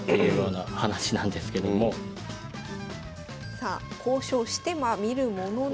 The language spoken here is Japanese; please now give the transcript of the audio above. さあ交渉してみるものの。